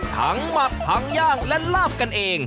ทั้งหมักทั้งย่างและลาบกันเอง